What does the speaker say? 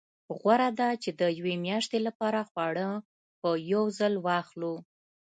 غوره ده چې د یوې میاشتې لپاره خواړه په یو ځل واخلو.